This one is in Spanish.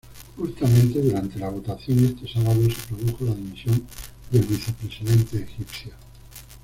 Justamente durante la votación este sábado se produjo la dimisión del vicepresidente egipcio.